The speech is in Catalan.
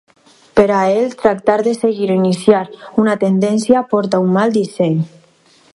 Per a ell, tractar de seguir o iniciar una tendència porta a un mal disseny.